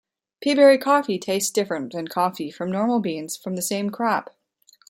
Peaberry coffee tastes different than coffee from normal beans from the same crop.